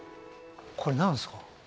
これ何ですか？